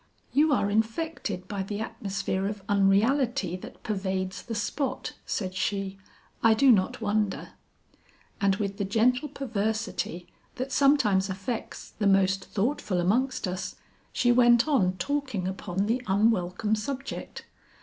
"You are infected by the atmosphere of unreality that pervades the spot," said she, "I do not wonder." And with the gentle perversity that sometimes affects the most thoughtful amongst us, she went on talking upon the unwelcome subject.